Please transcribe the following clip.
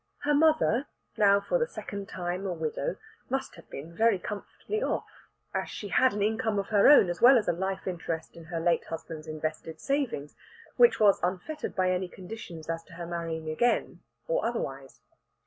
Her mother, now for the second time a widow, must have been very comfortably off, as she had an income of her own as well as a life interest in her late husband's invested savings, which was unfettered by any conditions as to her marrying again, or otherwise.